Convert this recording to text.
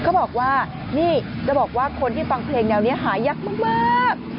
เขาบอกว่านี่จะบอกว่าคนที่ฟังเพลงแนวนี้หายากมาก